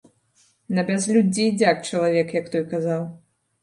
На бязлюддзі і дзяк чалавек, як той казаў.